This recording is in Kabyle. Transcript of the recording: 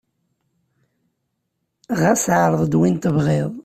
Ɣas ɛreḍ-d win tebɣiḍ.